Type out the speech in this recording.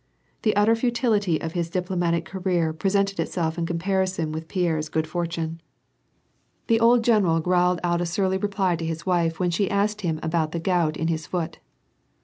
The utter futility of his diplomatic career presented itself in comparison with Pierre's good fortune. WAR AND PEACE, 255 The old general growled out a surly reply to his wife when she asked him about the gout in his foot.